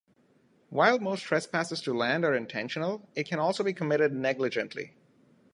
While most trespasses to land are intentional, it can also be committed negligently.